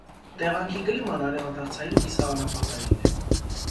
Տեղանքի կլիման արևադարձային կիսաանապատային է։